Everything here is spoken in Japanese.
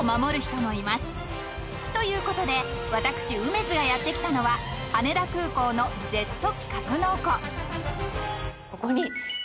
［ということで私梅津がやって来たのは羽田空港のジェット機格納庫］